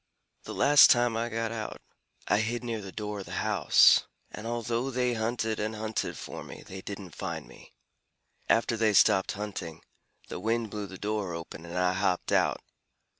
"The last time I got out, I hid near the door of the house, and although they hunted and hunted for me, they didn't find me. After they stopped hunting, the wind blew the door open, and I hopped out."